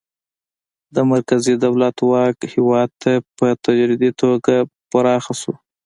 د مرکزي دولت واک هیواد ته په تدریجي توګه پراخه شو.